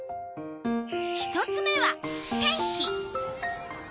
１つ目は天気。